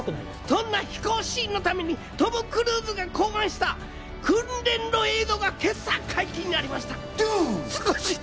そんな飛行シーンのためにトム・クルーズが考案した訓練の映像が今朝、解禁になりました。